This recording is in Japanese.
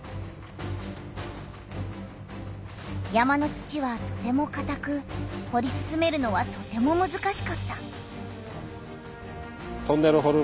山の土はとてもかたくほり進めるのはとてもむずかしかった。